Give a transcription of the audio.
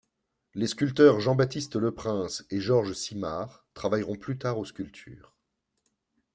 Les sculpteurs Jean-Baptiste Leprince et Georges Symard travailleront plus tard aux sculptures.